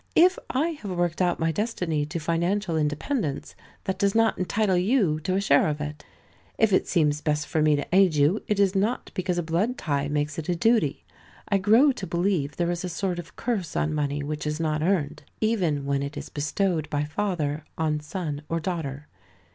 If I have worked out my destiny to financial independence, that does not entitle you to a share of it. If it seems best for me to aid you, it is not because a blood tie makes it a duty. I grow to believe there is a sort of curse on money which is not earned, even when it is bestowed by father, on son or daughter.